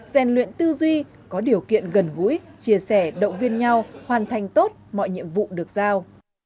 gian luyện tư duy có điều kiện gần gũi chia sẻ động viên nhau hoàn thành tốt mọi nhiệm vụ được giao